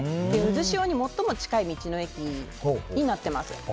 渦潮に最も近い道の駅になっています。